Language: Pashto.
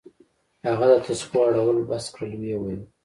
هغه د تسبو اړول بس كړل ويې ويل.